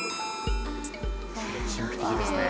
「神秘的ですね」